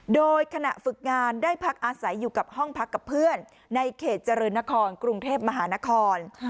โดยขณะฝึกงานได้พักอาศัยอยู่กับห้องพักกับเพื่อนในเขตเจริญนครกรุงเทพมหานคร